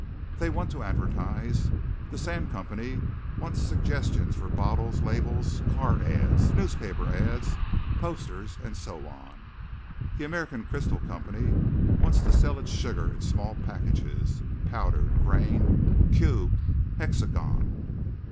They want to advertise. The Sand Company wants suggestions for bottles, labels, car ads, newspaper ads, posters, and so on. The American Crystal Company wants to sell its sugar in small packages, powdered, grained, cubed, hexagoned.